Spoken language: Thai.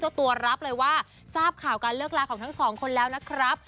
เจ้าตัวรับเลยว่าทราบข่าวการเลือกราคาของทั้ง๒คนแล้วนะครับ